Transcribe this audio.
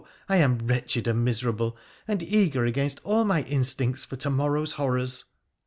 I am wretched and miserable, and eager against all my instincts for to morrow's horrors